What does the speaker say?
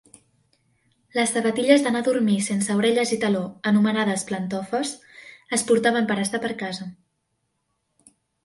Les sabatilles d'anar a dormir, sense orelles i taló, anomenades "plantofes" es portaven per estar per casa.